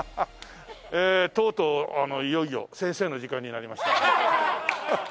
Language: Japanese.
とうとういよいよ先生の時間になりました。